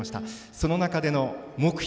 その中での目標